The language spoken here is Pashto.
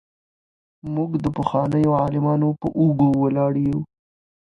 موږ د پخوانيو عالمانو په اوږو ولاړ يو.